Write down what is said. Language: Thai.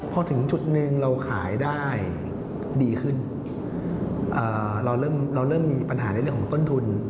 พอถึงจุดหนึ่งเราขายได้ดีขึ้นเราเริ่มเราเริ่มมีปัญหาในเรื่องของต้นทุน